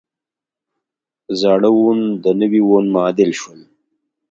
زاړه وون د نوي وون معادل شول.